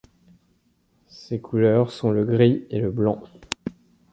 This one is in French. Ses couleurs sont le gris et le blanc.